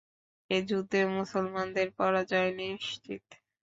এ যুদ্ধে মুসলমানদের পরাজয় নিশ্চিত।